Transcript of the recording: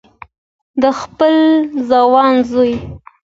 د خپل ځوان زوی